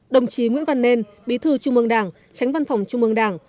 đồng chí nguyễn văn nên bí thư trung mương đảng tránh văn phòng trung mương đảng